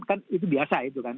kan itu biasa itu kan